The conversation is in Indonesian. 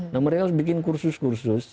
nah mereka harus bikin kursus kursus